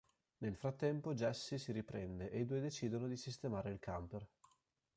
Nel frattempo Jesse si riprende e i due decidono di sistemare il camper.